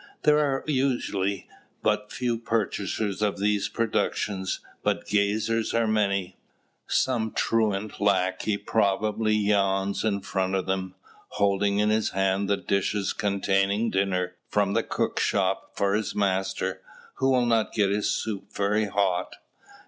There are usually but few purchasers of these productions, but gazers are many. Some truant lackey probably yawns in front of them, holding in his hand the dishes containing dinner from the cook shop for his master, who will not get his soup very hot.